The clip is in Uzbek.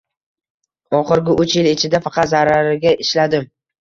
Oxirgi uch yil ichida faqat zarariga ishladim